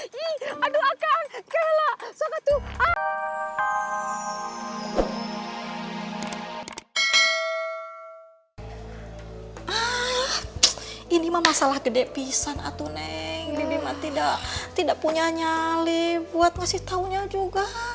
kela sokatu ah ini mah masalah gede pisan atuh neng tidak tidak punya nyali buat ngasih taunya juga